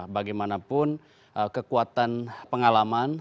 bagaimanapun kekuatan pengalaman